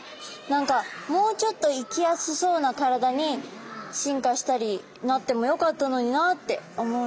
何かもうちょっと生きやすそうな体に進化したりなってもよかったのになって思うんですけど。